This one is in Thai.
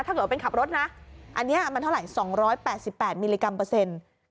ถ้าเกิดว่าเป็นขับรถนะอันนี้มันเท่าไหร่๒๘๘มิลลิกรัมเปอร์เซ็นต์